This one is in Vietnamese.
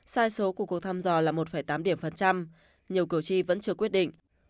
sai số của cuộc thăm dò là một tám điểm phần trăm nhiều cử tri vẫn chưa quyết định